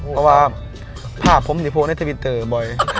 เพราะว่าภาพผมนี่โพสต์ในทวิตเตอร์บ่อย